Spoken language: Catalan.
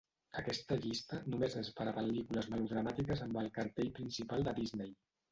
Aquesta llista només és per a pel·lícules melodramàtiques amb el cartell principal de Disney.